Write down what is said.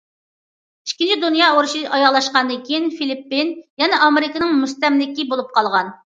ئىككىنچى دۇنيا ئۇرۇشى ئاياغلاشقاندىن كېيىن، فىلىپپىن يەنە ئامېرىكىنىڭ مۇستەملىكىسى بولۇپ قالغان.